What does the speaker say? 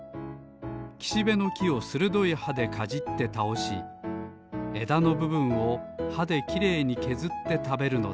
きしべのきをするどいはでかじってたおしえだのぶぶんをはできれいにけずってたべるのです。